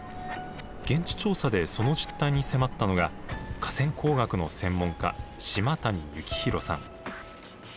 現地調査でその実態に迫ったのが河川工学の専門家島谷幸宏さん。